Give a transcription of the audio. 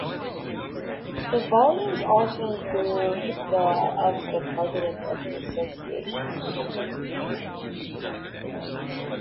The volumes also include the of the president of the association.